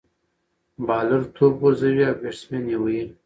بالر توپ غورځوي، او بيټسمېن ئې وهي.